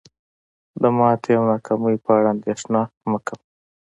د ماتې او ناکامۍ په اړه اندیښنه مه کوه.